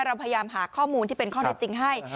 เราพยายามหาข้อมูลที่เป็นข้อเท็จจริงให้